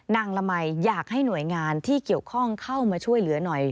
ละมัยอยากให้หน่วยงานที่เกี่ยวข้องเข้ามาช่วยเหลือหน่อย